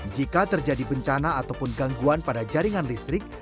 jika terjadi bencana ataupun gangguan pada jaringan listrik